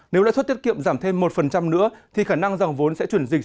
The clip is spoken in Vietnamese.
nếu lãi suất tiết kiệm giảm thêm một nữa thì khả năng dòng vốn sẽ chuyển dịch